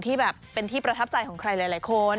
ที่แบบเป็นที่ประทับใจของใครหลายคน